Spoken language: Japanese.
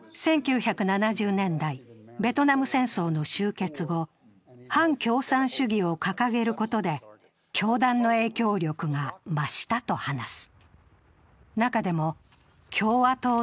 １９７０年代、ベトナム戦争の終結後、反共産主義を掲げることで教団の影響力が増したと話す。